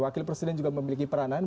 wakil presiden juga memiliki peranan